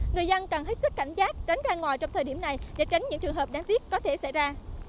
người dân cần hết sức cảnh giác tránh ra ngoài trong thời điểm này để tránh những trường hợp đáng tiếc có thể xảy ra